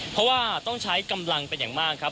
เพราะว่าต้องใช้กำลังเป็นอย่างมากครับ